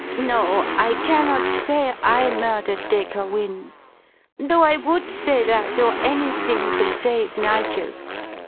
No, I cannot say I murdered Dacre Wynne. Though I would say that or anything to save Nigel.